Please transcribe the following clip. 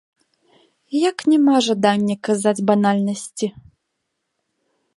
Як няма жадання казаць банальнасці.